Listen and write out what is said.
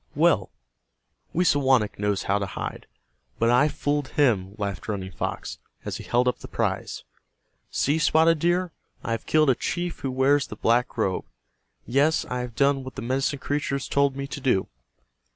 "Well, Wisawanik knows how to hide, but I fooled him," laughed Running Fox, as he held up the prize. "See, Spotted Deer, I have killed a chief who wears the black robe. Yes, I have done what the medicine creatures told me to do."